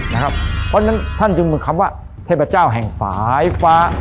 เพราะฉะนั้นท่านจึงมีคำว่าเทพเจ้าแห่งสายฟ้า